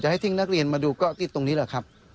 ให้ทิ้งนักเรียนมาดูก็ที่ตรงนี้แหละครับ